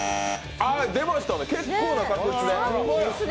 出ましたね、結構な数です。